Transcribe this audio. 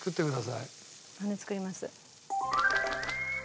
羽根作ります。